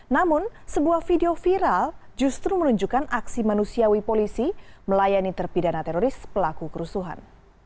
namun sebuah video viral justru menunjukkan aksi manusiawi polisi melayani terpidana teroris pelaku kerusuhan